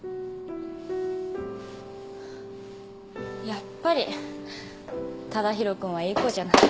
やっぱり忠広君はいい子じゃない。